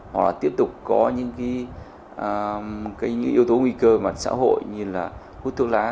hoặc là tiếp tục có những cái yếu tố nguy cơ mặt xã hội như là hút thuốc lá